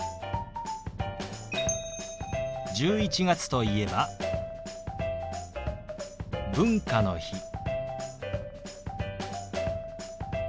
１１月といえば「文化の日」。